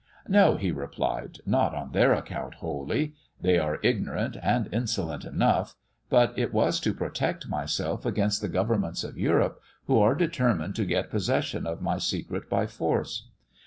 "'No,' he replied, 'not on their account wholly. They are ignorant and insolent enough; but it was to protect myself against the governments of Europe, who are determined to get possession of my secret by force.